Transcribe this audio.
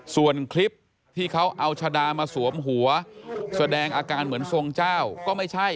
ส่วนคลิปที่เขาเอาชะดามาสวมหัวแสดงอาการเหมือนทรงเจ้าก็ไม่ใช่